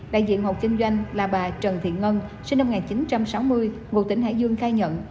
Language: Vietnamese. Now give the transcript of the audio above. đại diện hộ kinh doanh là bà trần thiện ngân sinh năm một nghìn chín trăm sáu mươi ngụ tỉnh hải dương khai nhận